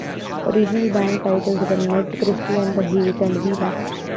Original band titles were "Ned Christie and The Heat" and "Viva".